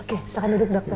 oke silakan duduk dokter